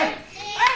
はい！